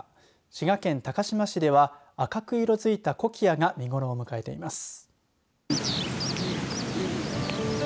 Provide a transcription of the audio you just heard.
滋賀県高島市では赤く色づいたコキアが見頃を迎えています。